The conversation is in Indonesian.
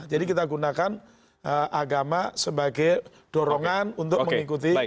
jadi kita gunakan agama sebagai dorongan untuk mengikuti